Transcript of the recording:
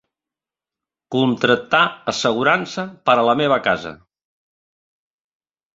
Contractar assegurança per a la meva casa.